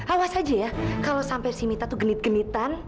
awas aja ya kalo sampe si mita tuh genit genitan